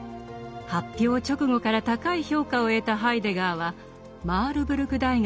発表直後から高い評価を得たハイデガーはマールブルク大学